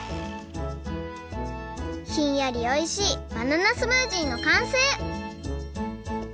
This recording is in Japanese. ひんやりおいしいバナナスムージーのかんせい！